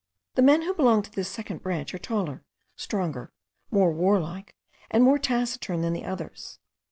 The men who belong to this second branch, are taller, stronger, more warlike, and more taciturn than the others.